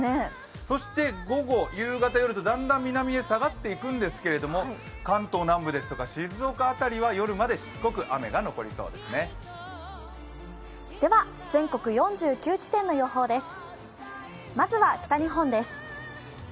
そして午後、夕方、夜とだんだん南に下がっていくんですけれども関東南部ですとか静岡あたりは夜までしつこく雨が残りそうですね。